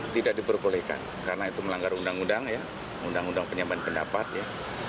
tidak diperbolehkan karena itu melanggar undang undang ya undang undang penyampaian pendapat ya